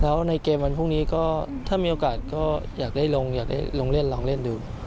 แล้วในเกมวันพรุ่งนี้ก็ถ้ามีโอกาสก็อยากได้ลงอยากได้ลงเล่นลองเล่นดู